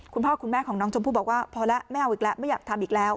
คุณพ่อคุณแม่ของน้องชมพู่บอกว่าพอแล้วไม่เอาอีกแล้วไม่อยากทำอีกแล้ว